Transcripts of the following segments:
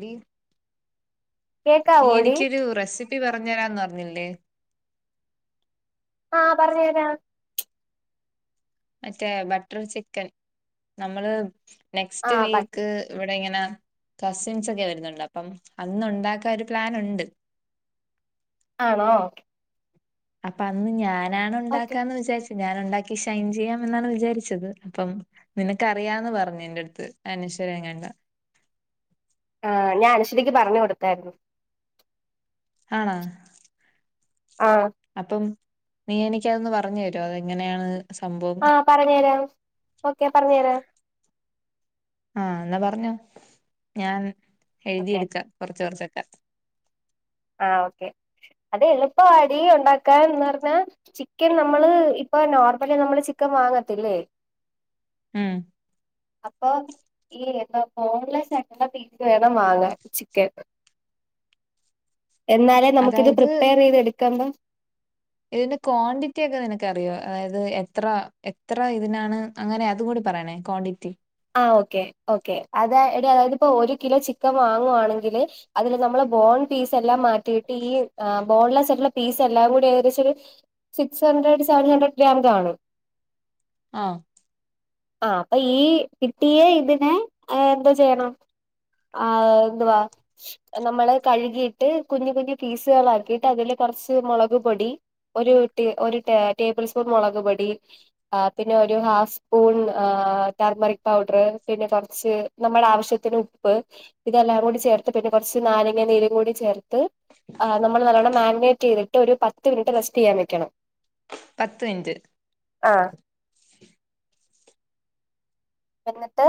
D നീ കേക്കാവോടി എനിക്കൊരു റെസിപ്പി പി പറഞ്ഞു തരാന്ന് പറഞ്ഞില്ലേ? ആഹ പറഞ്ഞരാം. മറ്റേ ബട്ടർ ചിക്കൻ നമ്മള്. നെക്സ്റ്റ് ആഹ് ബട്ട് വീക്ക് ഇവിടങ്ങനെ. കസിൻസ് ഒക്കെ വരുന്നുണ്ട് അപ്പം അന്ന് ഒണ്ടാക്കാൻ ഒരു പ്ലാൻ ഒണ്ട്. ആണോ? അപ്പൊ അന്ന് ഞാനാണ് ഓക്കെ ഒണ്ടാക്കാ എന്ന് വിചാരിച്ച് ഞാൻ ഉണ്ടാക്കി ഷൈൻ ചെയ്യാം എന്നാണ് വിചാരിച്ചത് അപ്പം. നിനക്കറിയാന്ന് പറഞ്ഞു എന്റടുത്ത് അനശ്വരെങ്ങണ്ടോ [unintelligible] ആ ഞാൻ അനശ്വരക്ക് പറഞ്ഞ് കൊടുത്തായിരുന്നു. ആണോ. ആ അപ്പം നീ എനിക്കതൊന്ന് പറഞ്ഞു തരുമോ അതെങ്ങനെയാണ് സംഭവം. ആഹ് പറഞ്ഞു തരാം ഓക്കെ പറഞ്ഞു തരാം. ആഹ എന്നാ പറഞ്ഞോ ഞാൻ ഓക്കെ എഴുതിയെടുക്കാം കുറച്ച് കുറച്ചൊക്കെ. ആഹ ഓക്കെ അത് എളുപ്പവാടി ഒണ്ടാക്കാന്ന് പറഞ്ഞാ. ചിക്കൻ നമ്മള് ഇപ്പ നോർമലി നമ്മള് ചിക്കൻ വാങ്ങത്തില്ലേ? ഉം അപ്പൊ ഈ എന്ത ബോൺലെസ് ആയിട്ടുള്ള പീസ് വേണം വാങ്ങാൻ ചിക്കൻ. എന്നാലേ നമുക്ക് ഇത് അതായത് പ്രിപ്പയർ ചെയ്ത് എടുക്മ്പോ. ഇതിന്റെ ക്വാണ്ടിറ്റി ഒക്കെ നിനക്കറിയോ? അതായത് എത്ര എത്ര ഇതിനാണ്. അങ്ങനെ അതുകൂടി പറയണേ ക്വാണ്ടിറ്റി ആഹ് ഓക്കേ ഓക്കേ അതായത് അതായത്പ്പോ ഒരു കിലോ ചിക്കൻ വാങ്ങുവാണെങ്കിൽ അതില് നമ്മള് ബോൺ പീസ് എല്ലാം മാറ്റിയിട്ട് ഈ ആഹ് ബോൺലെസായിട്ടുള്ള പീസ് എല്ലാം കൂടി ഏകദേശൊര് six hundred seven hundred gram കാണും ആഹ് ആഹ് അപ്പൊ ഈ കിട്ടിയെ ഇതിനെ എന്തോ ചെയ്യണം ആഹ് എന്തുവാ നമ്മള് കഴുകിയിട്ട് കുഞ്ഞു കുഞ്ഞു പീസുകളാക്കിട്ട് അതില് കുറച്ച് മുളക് പൊടി ഒരു ഒരു ടേബിൾ സ്പൂൺ മുളക്പൊടി ആഹ് പിന്നെ ഒരു ഹാഫ് സ്പൂൺ ടർമറിക് പൗഡറ് പിന്നെ കുറച്ച് നമ്മൾ ആവശ്യത്തിന് ഉപ്പ് ഇതെല്ലാം കൂടി ചേർത്ത് പിന്നെ കുറച്ച് നാലങ്ങ നീരും കൂടി ചേർത്ത് നമ്മൾ നല്ലോണ്ണം മാഗിനേറ്റ് ചെയ്ത് ട്ട് ഒരു പത്ത് മിനിറ്റ് റെസ്റ്റ് ചെയ്യാൻ വെക്കണം പത്ത് മിനിറ്റ് ആഹ് എന്നിട്ട്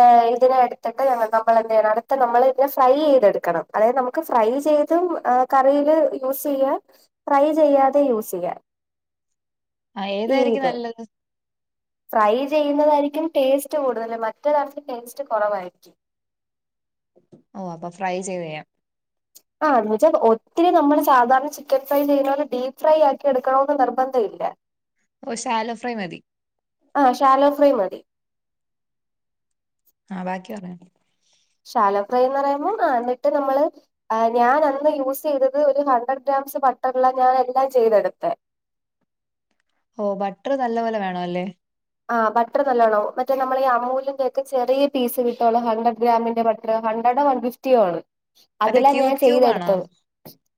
ഏഹ് ഇതിനെ എടുത്തിട്ട് നമ്മൾെന്ത് ചെയ്യണം അടുത്ത നമ്മൾ ഇതിനെ ഫ്രൈ ചെയ്തെടുക്കണം അതായത് നമുക്ക് ഫ്രൈ ചെയ്തും കറിയില് യൂസ് ചെയ്യാം ഫ്രൈ ചെയ്യാതെം യൂസ് ചെയ്യാം ആഹ് ഈ ഏതായിരിക്കും ഇത് നല്ലത് ഫ്രൈ ചെയ്യുന്നതായിരിക്കും ടേസ്റ്റ് കൂടുതല് മറ്റത് കൊർച്ച് ടേസ്റ്റ് കുറവായിരിക്കും ഓ അപ്പൊ ഫ്രൈ ചെയ്ത് ചെയ്യാം ആന്ന് വെച്ചാൽ ഒത്തിരി നമ്മള് സാധാരണ ചിക്കൻ ഫ്രൈ ചെയ്യണല് ഡീപ്പ് ഫ്രൈ ആക്കി എടുക്കണമന്ന് നിർബന്ധം ഇല്ല [inaudible] ഓ ശാലോ ഫ്രൈ മതി ആഹ് ഷാലോ ഫ്രൈ മതി ആഹ് ബാക്കി പറയാേ ശാലോ ഫ്രൈ എന്ന് പറയുമ്പോ ആഹ് എന്നിട്ട് നമ്മള് ആഹ് ഞാനന്ന് യൂസ് ചെയ്തത് ഒരു ഹൺഡ്രഡ് ഗ്രാംസ് ബട്ടൻലാ ഞാനെല്ലാം ചെയ്തെടുത്തെ ഓ ബട്ടറ് നല്ല പോലെ വേണം അല്ലേ ആഹ് ബട്ടർ നല്ലവണാവും മറ്റേ നമ്മൾ ഈ അമൂലിന്റെയൊക്കെ ചെറിയ പീസ് കട്ടുള്ളൂ ഹണ്ട്രഡ് ഗ്രാമിന്റെ ബട്ടർ ഹൺഡ്രഡോ വൺ ഫിഫ്റ്റിയോ ആണ് മറ്റേ അതില ക്യൂബ് ഞാൻ ക്യൂബ് ആണോ ചെയ്തെടുത്തത്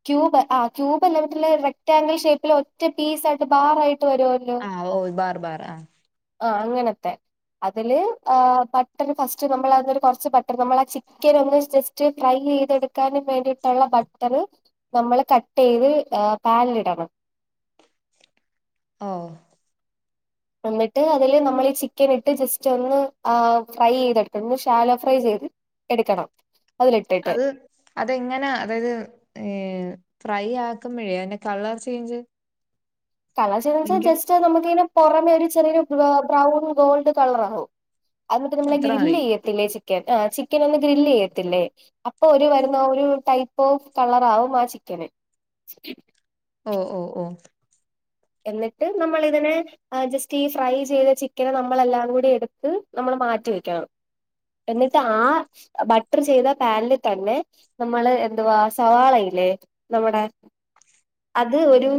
ക്യൂബ് ആഹ് ക്യൂബ് അല്ല വട്ടില് റെക്ടാംഗിൾ ഷേപ്പിൽ ഒറ്റ പീസ് ആയിട്ട് ബാറ് ആയിട്ട് വരുവല്ലോ ആഹ് ഓ ബാർ ബാർ ആഹ് ആഹ് അങ്ങനത്തെ അതില് ബട്ടർ ഫസ്റ്റ് നമ്മൾ അതരു കുറച്ച് ബട്ടർ നമ്മൾ ആ ചിക്കൻ ഒന്ന് ഫ്രൈ ചെയ്തെടുക്കാനും വേണ്ടിയിട്ടുള്ള ബട്ടർ നമ്മള് കട്ട് ചെയ്ത് പാലിടണം ഓ എന്നിട്ട് അതില് നമ്മൾ ചിക്കൻ ഇട്ട് ജസ്റ്റ് ഒന്ന് ഫ്രൈ ചെയ്തിട്ടുന്ന് ശാലോ ഫ്രൈ ചെയ്ത് എടുക്കണം അതിലിട്ടിട്ട് അത് അതെങ്ങനെ അതായത് ഏഹ് ഫ്രൈ ആക്കുമ്പോഴേ അതിന്റെ കളർ ചേഞ്ച് കളർ ചെയ്ത് വെച്ചാൽ ഭയങ്കര ജസ്റ്റ് നമുക്കിങ്ങനെ പുറമെ ഒരു ചെറിയരു ബ്രൗൺ ഗോൾഡ് കളർ ആകും അത്ട്ട് നമ്മളെ അത്ര മതി ഗ്രില് ചെയ്യത്തില്ലേ ചിക്കൻ ആ ചിക്കൻ ഒന്നു ഗ്രില് ചെയ്യത്തില്ലേ അപ്പൊ ഒരു വരുന്ന ഒരു ടൈപ്പ് ഓഫ് കളറാവും ആ ചിക്കന് ഓ ഓ ഓ എന്നിട്ട് നമ്മളിതിനെ ആഹ് ജസ്റ്റ് ഈ ഫ്രൈ ചെയ്ത ചിക്കനെ നമ്മളെല്ലാം കൂടി എടുത്ത് നമ്മൾ മാറ്റി വെക്കണം എന്നിട്ട് ആഹ് ബട്ടർ ചെയ്ത പാനിൽ തന്നെ നമ്മള് എന്തുവാ സവാളല്ലേ നമ്മുടെ അത് ഒരു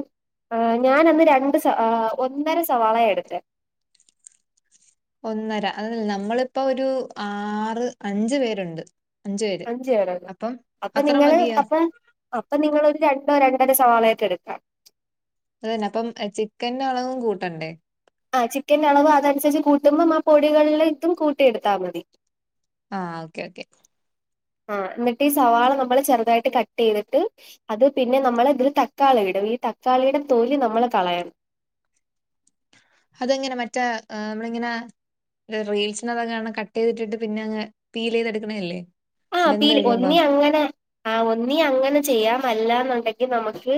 ഞാനന്ന് രണ്ട് സ ഒന്നര സവാള എടുത്തെ ഒന്നര അത് നമ്മളിപ്പോ ഒരു ആറ് അഞ്ച് പേരുണ്ട് അഞ്ചു പേര് അഞ്ച് പേരുണ്ട്. അപ്പം അപ്പൊ നിങ്ങള് അത്രമതിയ അപ്പൊ അപ്പൊ നിങ്ങൊരു രണ്ടോ രണ്ടരോ സവാളായിട്ട് എടുക്കാം അത്തന്നെ അപ്പം ചിക്കൻന്റെ അളവും കൂട്ടണ്ടേ ആ ചിക്കൻന്റെ അളവ് അതനുസരിച്ച് കൂട്ടുമ്പോം ആ പൊടികളെ ഇതും കൂട്ടി എടുത്താൽ മതി ആ ഓക്കേ ഓക്കെ ആഹ എന്നിട്ട് ഈ സവാള നമ്മള് ചെറുതായിട്ട് കട്ട് ചെയ്തിട്ട് അത് പിന്നെ നമ്മളെ അതിൽ തക്കാളി ഇടും ഈ തക്കാളിയുടെ തോല് നമ്മള് കളയണം അതെങ്ങനെ മറ്റേ നമ്മളിങ്ങനെ റീൽസിനൊക്ക കട്ട് ചെയ്തിട്ടിട്ട് പിന്നെ അങ് പീൽ ചെയ്തെടുക്കണേല്ലേ ആഹ പിൽ ഒന്നി അങ്ങനെ ആ ഒന്നി അങ്ങനെ ചെയ്യാമല്ല എന്നുണ്ടെങ്കിൽ നമുക്ക്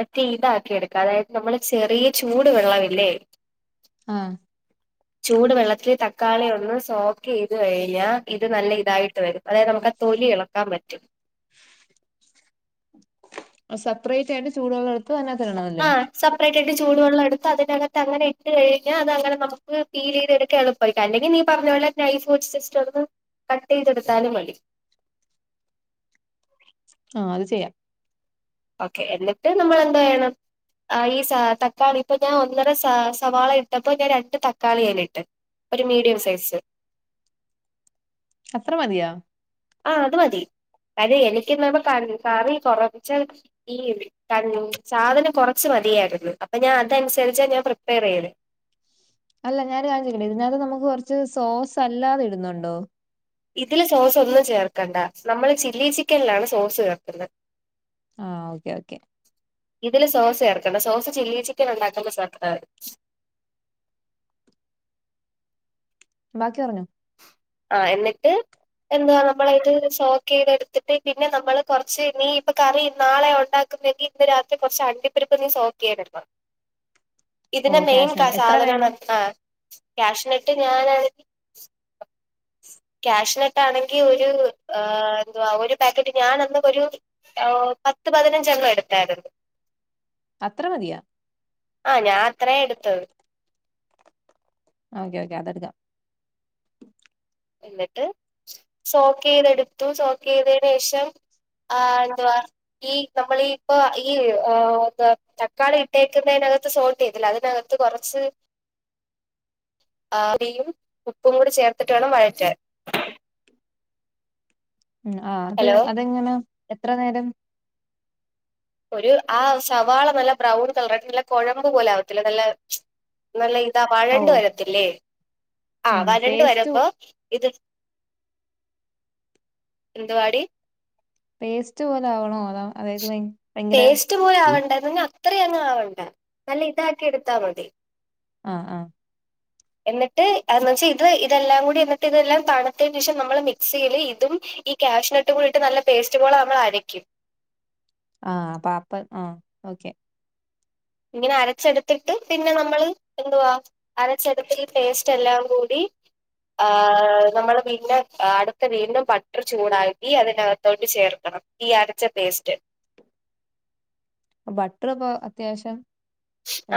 മറ്റേ ഇതാക്കിടുക്കാം അതായത് നമ്മള് ചെറിയ ചൂട് വെള്ളമില്ലേ ആഹ ചൂട് വെള്ളത്തില് തക്കാളി ഒന്ന് സോക്ക് ചെയ്ത് കഴിഞ്ഞാൽ ഇത് നല്ല ഇതായിട്ട് വരും അതായത് നമുക്ക് ആ തൊലി ഇളക്കാൻ പറ്റും സെപെറേറ്റ് ആയിട്ടു ചൂടുവെള്ള എടു [unintelligible] ആഹ സപ്പ [unintelligible] അതിനകത്ത് അങ്ങനെ ഇട്ട്കഴിഞ്ഞാൽ അങ്ങന നമുക്ക് പിൻ ചെയ്ത എടുക്ക എളപ്പും [unintelligible] അല്ലെങ്കിൽ നീ പറഞ്ഞോള്ള നൈഫ് സിസ്റ്റം ഒന്ന് കട്ട് ചെയ്തെടുത്താലും മതി ആ അത് ചെയ്യാം ഓക്കെ എന്നിട്ട് നമ്മൾ എന്തെയ്യണം ആ ഈ സ തക്കാളി ഇപ്പൊ ഞാൻ ഒന്നര സ സവാള ഇട്ടപ്പോ ഞാൻ രണ്ട് തക്കാളി അയ്ല് ഇട്ട് ഒരു മീഡിയം സൈസ് അത്ര മതിയാ ആ അത് മതി അത് എനിക്ക്ന്ന് കാറി കറി കുറച്ച് ഈ ക സാധനം കൊറച്ച് മതിയായിരുന്നു അപ്പൊ ഞാൻ അതനുസരിച്ചാ ഞാൻ പ്രിപ്പയർ ചെയ്ത് അല്ല ഞാൻ ഒരു കാര്യം ചോദിക്കട്ടെ ഇതിനകത്ത് നമുക്ക് കുറച്ച് സോസ് അല്ലാതെ ഇടുന്നുണ്ടോ ഇതില് സോസ് ഒന്നും ചേർക്കണ്ട നമ്മള് ചില്ലി ചിക്കനിലാണ് സോസ് ചേർക്കുന്നത് ആ ഓക്കേ ഓക്കെ ഇതില് സോസ് ചേർക്കണ്ട സോസ് ചില്ലി ചിക്കൻ ഉണ്ടാക്കുന്ന ചേർത്തമതി ബാക്കി പറഞ്ഞോ ആ എന്നിട്ട് എന്താവാ നമ്മള ഇത് സോക്ക് ചെയ്ത എടുത്തിട്ട് പിന്നെ നമ്മൾ കുറച്ച് നീ ഇപ്പൊ കറി നാളെ ഉണ്ടാക്കുന്നെങ്കിൽ ഇന്ന് രാത്രി കുറച്ച് അണ്ടിപ്പരിപ്പ് നീ സോക്ക് ചെയ്തിടണം ഓ ഇതിന്റെ മെയിൻ കാഷ്നട്ട് എത്ര സാധന വേണം ആ ക്യാഷിനിട്ട് ഞാനണ ക്യാഷിനെട്ട് ആണെങ്കിൽ ഒരു എന്തുവാ ഒരു പാക്കറ്റ് ഞാനന്നൊരു ഓ പത്ത് പതിനഞ്ചെണ്ണം എടുത്തായിരുന്നു അത്രമതിയ ആ ഞാൻ അത്രയെ എടുത്തുള്ളൂ ഓക്കെ ഓക്കെ അതടുക്കാം എന്നിട്ട് സോക്ക് ചെയ്തെടുത്തു സോക്ക് ചെയ്തതിന് ശേഷം ആ എന്തുവാ ഈ നമ്മളീ ഇപ്പൊ ഈ തക്കാളി ഇട്ടേക്കുന്നതിനകത്ത് സോൾട്ട് ചെയ്തില്ല അതിനകത്ത് [unintelligible] കുറച്ച് [unintelligible] ഉപ്പും കൂടി ചേർത്തിട്ട വേണം വഴറ്റാൻ ഉം ആ അത് ഹലോ അതെങ്ങനെ എത്ര നേരം ഒരു ആ സവാള നല്ല ബ്രൗൺ കളറായിയിട്ട് നല്ല കുഴമ്പ് പോല ആവത്തില്ല നല്ല നല്ല ഇതാ ഓ വഴണ്ട് വരത്തില്ലേ ആ വഴണ്ട് പേസ്റ്റ് വരമ്പോ ഇത് എന്തുവാടി പേസ്റ്റ് പോലെ ആവണോ അതോ പേസ്റ്റ് പോലെ ആവണ്ട എന്ന അത്രയും അങ്ങങ് ആവണ്ട നല്ല ഇതാക്കി എടുത്താൽ മതി ആ ആ എന്നിട്ട്ന്ന് വെച്ചാൽ ഇത് ഇതെല്ലാം കൂടി എന്നിട്ട് ഇതെല്ലാം താണത്തതിനന് ശേഷം നമ്മള് മിക്സിൽ ഇതും ഈ ക്യാഷുനട്ട് കൂടിയിട്ട് നല്ല പേസ്റ്റ് പോലെ നമ്മൾ അരക്കും ആഹ അപ്പൊ അപ്പം ആ ഓക്കെ ഇങ്ങനെ അരച്ചെടുത്തിട്ട് പിന്നെ നമ്മൾ എന്തുവാ അരച്ചെടുത്ത പേസ്റ്റ് എല്ലാം കൂടി ഹ നമ്മള് പിന്നെ അടുത്ത വീണ്ടും ബട്ടർ ചൂടാക്കി അതിനകത്തോട്ട് ചേർക്കണം ഈ അരച്ച പേസ്റ്റ് ബട്ടർ ഇപ്പൊ അത്യാവശ്യം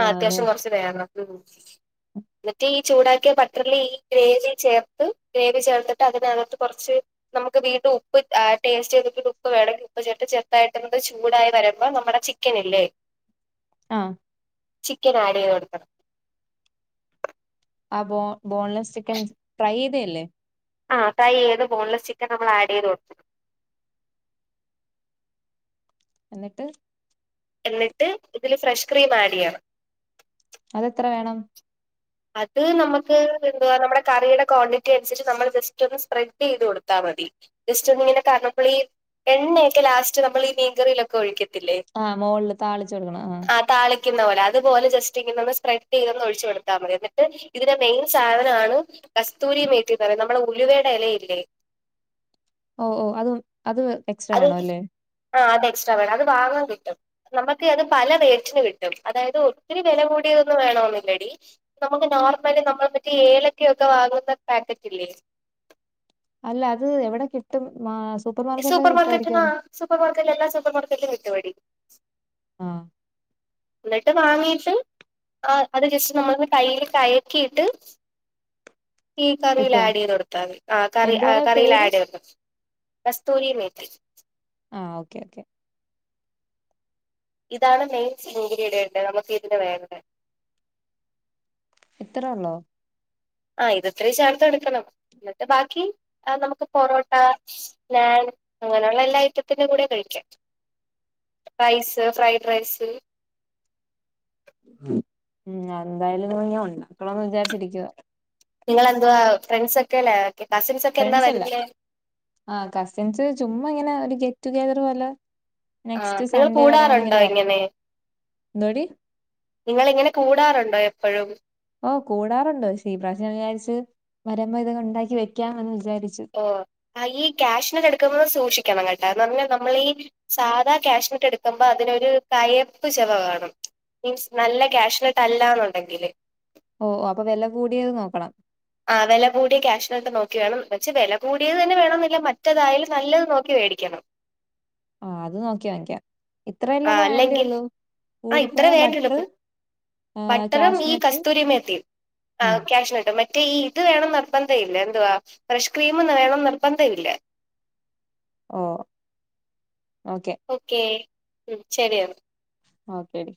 ആ അത്യാവശ്യം കൊറച്ച് വേണം എന്നിട്ട് ഈ ചൂടാക്കിയ ബട്ടറിില് ഈ ഗ്രേവി ചേർത്ത് ഗ്രേവി ചേർത്തിട്ട് അതിനകട്ട് കുറച്ച് നമുക്ക് വീണ്ടുംഉപ്പ് ടേസ്റ്റ് ചെയ്തിട്ട് ഉപ്പ് വേമെങ്കിൽ ഉപ്പ് ചേർത്ത് ചെർത്തായിട്ട് ചൂടായി വരുമ്പോ നമ്മ ിക്കല്ലേ [unintelligible] ആ ചിക്കൻ ആഡ് ചെയ്ത് കൊടുക്കണം ആ ബോ ബോൺലെസ് ചിക്കൻ ഫ്രൈ ചെയ്തല്ലേ ആ ഫ്രൈ ചെയ്ത് ബോൺലെസ് ചിക്കൻ നമ്മൾ ആഡ് ചെയ്ത് കൊടുക്കണം എന്നിട്ട് എന്നിട്ട് ഇതില് ഫ്രഷ് ക്രീം ആഡ് ചെയ്യണം അതെത്ര വേണം അത് നമുക്ക് എന്തുവാ നമ്മുടെ കറിയുടെ ക്വാണ്ടിറ്റി അനുസരിച്ച് നമ്മൾ ജസ്റ്റ് ഒന്ന് സ്പ്രെഡ് ചെയ്ത് കൊടുത്താൽ മതി ജസ്റ്റ് ഒന്ന ഇങ്ങനെ കാരണപ്പോൾ ഈ എണ്ണയൊക്കെ ലാസ്റ്റ് നമ്മൾ ഈ മീൻകറിയിലൊക്കെ ഒഴിക്കത്തില്ലേ ആഹ് മുകളില് താളിച്ചു കൊടുക്കണം ആ ആ താളിക്കുന്ന പോലെ അതുപോലെ ജസ് ഇങ്ങനൊന്ന് സ്പ്രെഡ് ചെയ്ത ഒഴിച്ചു കൊടുത്ത മതി എന്നിട്ട് ഇതിന്റെ മെയിൻ സാധനമാണ് കസ്തൂരി മേറ്റിന്ന് പറയുന്നത് നമ്മളെ ഉലുവയുടെ ഇലയില്ലേ ഓ ഓ അത് അത് എക്സ്ട്രാ അത് വേണ അല്ലേ ആ അത് എക്സ്ട്രാ വേണം അത് വാങ്ങാൻ കിട്ടും നമുക്ക് അത് പല റേറ്റിന് കിട്ടും അതായത് ഒത്തിരി വില കൂടിയൊന്നന്ന് വേണമെന്നില്ലടി നമുക്ക് നോർമലി നമ്മള മറ്റേ ഏലക്ക ഒക്കെ വാങ്ങുന്ന പാക്കറ്റ് ഇല്ലേ അല്ല അത് എവിടെ കിട്ടും സൂപ്പർ മാർക്കറ്റിലൊക്കെ മാർക്കറ്റിൽ കിട്ടുമായിരിക്കും ആ സൂപ്പർ മാർക്കറ്റ് എല്ലാ സൂപ്പർക്കറ്റിലും കിട്ടുമേടി ആഹ എന്നിട്ട് വാങ്ങീട്ട് ആ അത് ജസ്റ്റ് നമ്മളന്ന് കയ്യിൽ കയക്കിയിട്ട് ഈ കറിൽ കിട്ടോ ആഡ് ചെയ്ത് കൊടുത്താൽ മതി ആ കറി എന്തുവാടാ കറിൽ പേര് ആഡ് ചെയ്തക്കാം കസ്തൂരി മേട്ടി ആ ഓക്കെ ഓക്കെ ഇതാണ് മെയിൻസ് ഇൻഗ്രീഡിയറ് നമുക്ക് ഇതിന് വേണ്ടത് ഇത്ര ഉള്ളോ ആ ഇതത്രയും ചേർത്ത് എടുക്കണം എന്നിട്ട് ബാക്കി നമുക്ക് പൊറോട്ട നാൻ അങ്ങനെയുള്ള എല്ലാ ഐറ്റത്തിന്റെ കൂടെ കഴിക്കാം റൈസ് ഫ്രൈഡ് റൈസ് ഉം എന്തായാലും ഞാൻ ഉണ്ടാക്കുന്ന് വിചാരിച്ചിരിക്കുക നിങ്ങളേന്തുവാ ഫ്രണ്ട്സ ഒക്കെ അല്ലേ കസിൻസ് ഒക്കെ ഫ്രണ്ട്സ് അല്ലേ എന്നാവരുന്നേ ആഹ് കസിൻസ് ചുമ്മാ ഇങ്ങനെ ഒരു ഗെറ്റ് ടുഗെദർ പോലെ ആ നെക്സ്റ്റ് നിങ്ങൾ സൺഡേ വരാന്ന് കൂടാറുണ്ടോ ഇങ്ങനെ പറഞ്ഞു എന്തോടി നിങ്ങള് ഇങ്ങനെ കൂടാറുണ്ടോ എപ്പോഴും ഓ കൂടാറുണ്ടോ പക്ഷേ ഈ പ്രാവശ്യം വിചാരിച്ച് വരുമ്പോ ഇതൊക്കെ ഉണ്ടാക്കി വെക്കാമന്ന് വിചാരിച്ചു ഓ ഈ ക്യാഷുനട്ട് എടുക്കുമ്പോൾ സൂക്ഷിക്കണം കേട്ടോ നമ്മൾ ഈ സാധാ ക്യാഷു എടുക്കുമ്പോ അതിനൊരു കയപ്പ് ചെവ കാണും. സ്മ്ല് ല്ല ക്യാഷുനട്ട് അല്ലന്നുണ്ടെങ്കില്. ഓ ഓ അപ്പൊ വില കൂടിയത് നോക്കണം. ആ വല കൂടിയ ക്യാഷിനാട്ട് നോക്കി വേണം പക്ഷെ വല കൂടിയത് തന്നെ വേണമെന്നില്ല മറ്റേതായാലും നല്ലത് നോക്കി വോടി ക്കണം ആ അത് നോക്കി വാങ്ങിക്കാം. ആ ഇത്രല്ലപ്പം അല്ലെങ്കിൽ വേണ്ടിള്ളൂ ആ ഇത്ര കൂടിപ്പോയൽ വേണ്ടുള്ളൂ ബട്ടർ ബട്ടറും ഈ കാഷ്നട്ട് കസ്തൂരിമേത്തിയും. ഉം ക്യാഷുനട്ടും മ മറ്റേ ഈ ഇത് വേണം നിർബന്ധ ഇല്ല എന്തുവാ ഫ്രഷ് ക്രീമ് വേണം നിർബന്ധമില്ല. ഓ ഓക്കെ. ഓക്കെ ശരി എന. ഒക്കെ. ടി